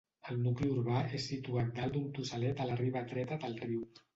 El nucli urbà és situat dalt d'un tossalet a la riba dreta del riu.